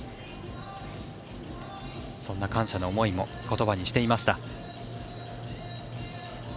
そんな感謝の思いもことばにしていました。